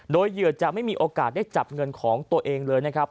โดยเหยื่อจะไม่มีโอกาสได้จับเงินของตัวเองเลยนะครับ